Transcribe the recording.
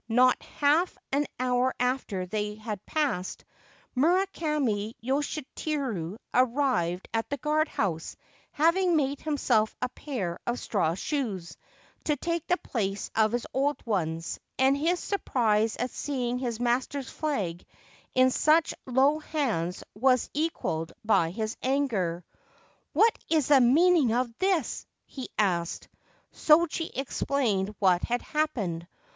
Not half an hour after they had passed, Murakami Yoshiteru arrived at the guard house, having made himself a pair of straw shoes, to take the place of his old ones ; and his surprise at seeing his master's flag in such low hands was equalled by his anger. 4 What is the meaning of this ?' he asked. Shoji explained what had happened.